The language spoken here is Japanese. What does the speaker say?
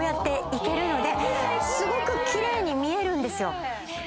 すごく奇麗に見えるんですよ。